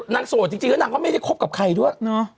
โสดจริงแล้วนางก็ไม่ได้คบกับใครด้วย